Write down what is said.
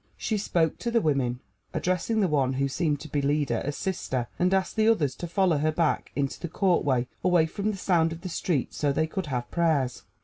She spoke to the women, addressing the one who seemed to be leader as sister, and asked the others to follow her back into the courtway away from the sound of the street, so they could have prayers.